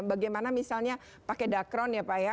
bagaimana misalnya pakai dakron ya pak ya